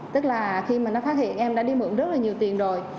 tức là khi mà nó phát hiện em đã đi mượn rất là nhiều tiền rồi